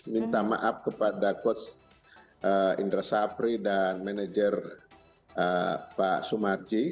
minta maaf kepada coach indra sapri dan manajer pak sumarji